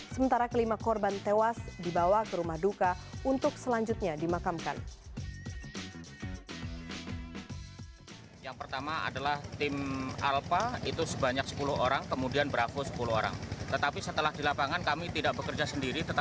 sementara kelima korban tewas dibawa ke rumah duka untuk selanjutnya dimakamkan